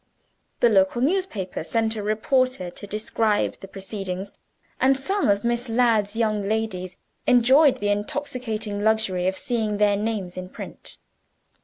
The local newspaper sent a reporter to describe the proceedings, and some of Miss Ladd's young ladies enjoyed the intoxicating luxury of seeing their names in print.